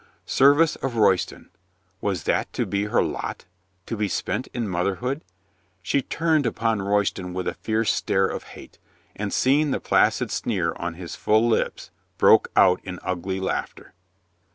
Service of Royston — was that to be her lot? To be spent in motherhood ? She turned upon Royston with a fierce stare of hate, and seeing the placid sneer on his full lips broke out in ugly laughter.